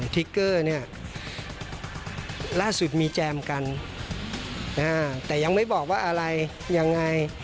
ทิกเกอร์เนี่ยล่าสุดมีแจมกันแต่ยังไม่บอกว่าอะไรยังไง